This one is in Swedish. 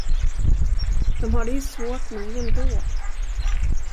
De har det ju svårt nog ändå.